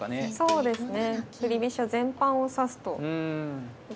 そうですね。